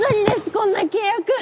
こんな契約！